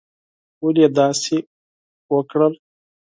ولي یې داسي وکړل؟